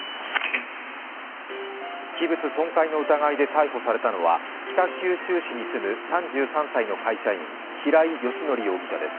器物損壊の疑いで逮捕されたのは北九州市に住む３３歳の会社員、平井英康容疑者です。